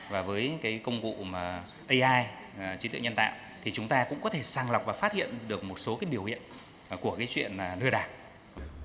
và với công cụ ai trí tựa nhân tạo thì chúng ta cũng có thể sàng lọc và phát hiện được một số điều hiện của chuyện lừa đảo